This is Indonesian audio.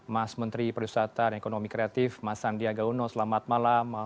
mas menteri perusahaan dan ekonomi kreatif mas sandiaga uno selamat malam